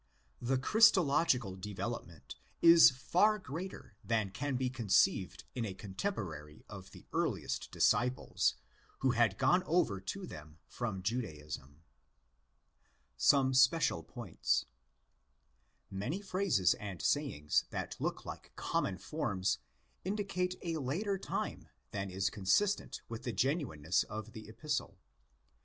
The Christological development is far greater than can be conceived in a contemporary of the earliest disciples, who had gone over to them from Judaism. Some Special Points. Many phrases and sayings that look like common forms indicate a later time than is consistent with the genuineness of the Epistle?